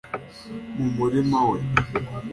mu murima we.